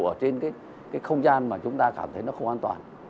ở trên không gian mà chúng ta cảm thấy không an toàn